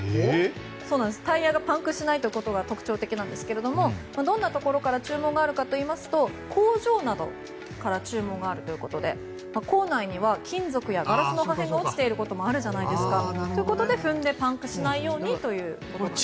タイヤがパンクしないということが特徴的なんですがどんなところから注文があるかといいますと工場などから注文があるということで構内には金属やガラスの破片が落ちていることもあるじゃないですか。ということで踏んでパンクしないようにということなんですね。